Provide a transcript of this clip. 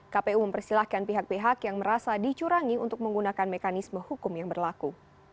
kpu mempersilahkan pihak pihak yang merasa dicurangi untuk menggunakan mekanisme hukum yang berlaku